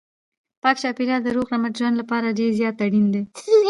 پاک چاپیریال د روغ رمټ ژوند لپاره ډېر زیات اړین دی.